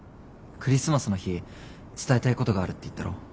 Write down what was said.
クリスマスの日伝えたいことがあるって言ったろ？